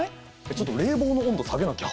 ちょっと冷房の温度下げなきゃ。